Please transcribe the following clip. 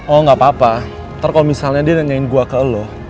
oh gapapa ntar kalo misalnya dia nanyain gue ke el